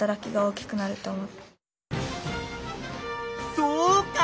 そうか！